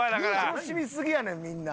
楽しみすぎやねんみんな。